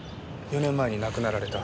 ４年前に亡くなられた？